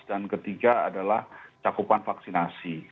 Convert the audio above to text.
dan ketiga adalah cakupan vaksinasi